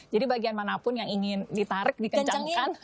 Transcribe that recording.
jadi bagian manapun yang ingin ditarik dikencangkan